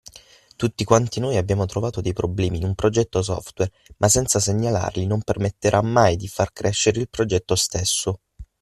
Tutti quanti noi abbiamo trovato dei problemi in un progetto software ma senza segnalarli non permetterà mai di far crescere il progetto stesso.